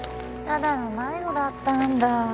ただの迷子だったんだ。